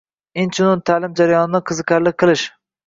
Inchunun, ta’lim jarayonini qiziqarli qilish